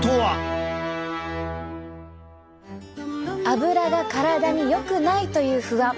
アブラが体によくないという不安。